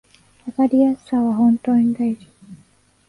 わかりやすさは本当に大事